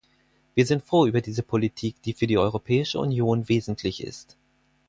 Wir sind froh über diese Politik, die für die Europäische Union wesentlich ist.